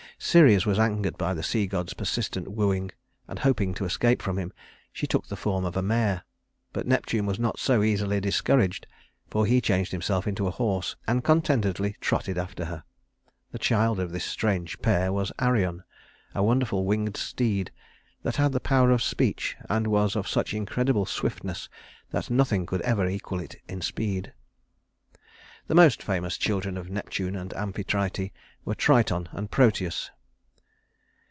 Ceres was angered by the sea god's persistent wooing, and hoping to escape from him, she took the form of a mare; but Neptune was not so easily discouraged, for he changed himself into a horse and contentedly trotted after her. The child of this strange pair was Arion, a wonderful winged steed that had the power of speech, and was of such incredible swiftness that nothing could ever equal it in speed. The most famous children of Neptune and Amphitrite were Triton and Proteus.